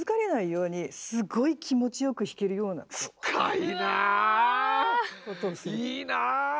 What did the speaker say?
いいなあ。